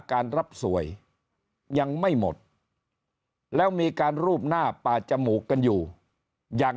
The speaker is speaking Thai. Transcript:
การรับสวยยังไม่หมดแล้วมีการรูปหน้าป่าจมูกกันอยู่อย่าง